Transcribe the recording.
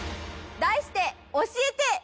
題して「教えて！！